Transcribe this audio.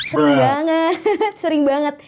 seru banget sering banget